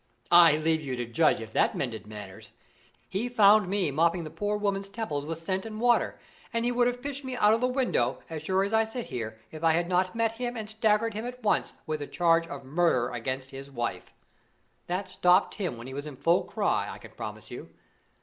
I leave you to judge if that mended matters. He found me mopping the poor woman's temples with scent and water; and he would have pitched me out of the window, as sure as I sit here, if I had not met him and staggered him at once with the charge of murder against his wife. That stopped him when he was in full cry, I can promise you.